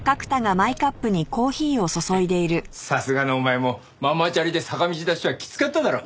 さすがのお前もママチャリで坂道ダッシュはきつかっただろ？